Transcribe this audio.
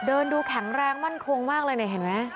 เดินดูแข็งแรงมั่นคงมากเลยเนี่ยเห็นไหม